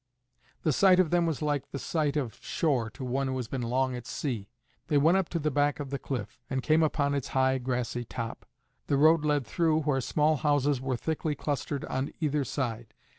The sight of them was like the sight of shore to one who has been long at sea. They went up to the back of the cliff, and came upon its high grassy top; the road led through where small houses were thickly clustered on either side.